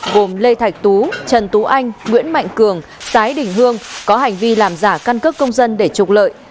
gồm lê thạch tú trần tú anh nguyễn mạnh cường tái đình hương có hành vi làm giả căn cước công dân để trục lợi